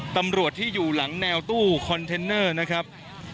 ตำรวจที่อยู่หลังแนวตู้คอนเทนเนอร์นะครับ